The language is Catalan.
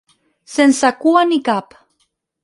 Sense cua ni cap.